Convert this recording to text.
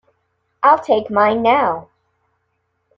I'll take mine now.